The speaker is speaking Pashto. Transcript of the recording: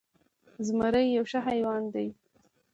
زمری یو ښه حیوان ده